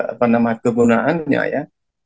apa namanya kegunaannya ya